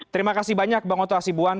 terima kasih banyak bang oto asibuan